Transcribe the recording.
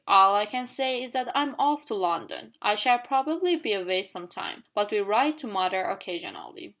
"All I can say is that I'm off to London. I shall probably be away some time, but will write to mother occasionally.